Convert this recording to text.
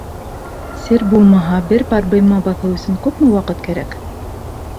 — Сер булмаһа, бер пар быйма баҫыу өсөн күпме ваҡыт кәрәк?